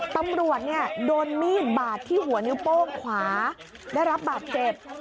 ตำรวจโดนมีดบาดที่หัวนิ้วโป้งขวาได้รับบาดเจ็บ